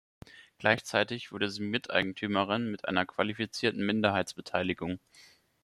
Gleichzeitig wurde sie Miteigentümerin mit einer qualifizierten Minderheitsbeteiligung.